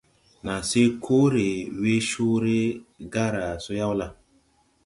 Naa se koore wee cõõre gaara so yaw la?